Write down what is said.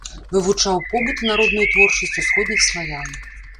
Вывучаў побыт і народную творчасць усходніх славян.